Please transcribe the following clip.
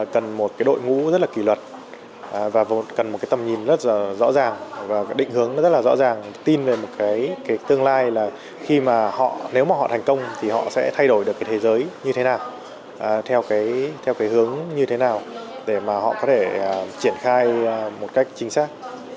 cần một cái đội ngũ rất là kỷ luật và cần một cái tầm nhìn rất là rõ ràng và định hướng nó rất là rõ ràng tin về một cái tương lai là khi mà họ nếu mà họ thành công thì họ sẽ thay đổi được cái thế giới như thế nào theo cái hướng như thế nào để mà họ có thể triển khai một cách chính xác